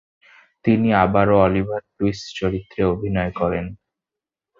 তিনি আবারও Oliver Twist চরিত্রে অভিনয় করেন।